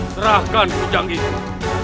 serahkan kujang itu